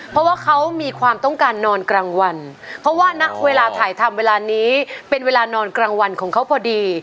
เพราะว่าเขามีความต้องการนอนกลางวันเพราะว่าณเวลาถ่ายทำเวลานี้เป็นเวลานอนกลางวันของเขาพอดี